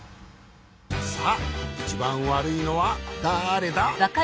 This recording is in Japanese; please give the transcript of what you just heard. さあいちばんわるいのはだれだ？